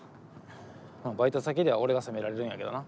バイト先では俺が責められるんやけどな。